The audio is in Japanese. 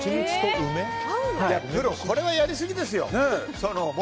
これはやりすぎですよ。